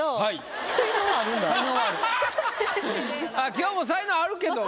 今日も才能あるけども。